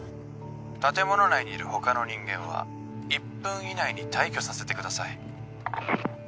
建物内にいる他の人間は１分以内に退去させてください